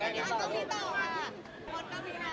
อุ้ยอีกนู่น